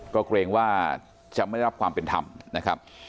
ก็เกรงว่าจะไม่ได้รับความเป็นธรรมนะครับ